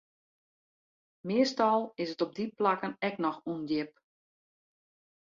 Meastal is it op dy plakken ek noch ûndjip.